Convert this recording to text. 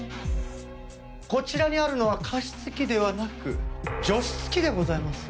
こちらにあるのは加湿器ではなく除湿器でございますが。